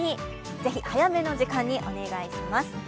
ぜひ早めの時間にお願いします。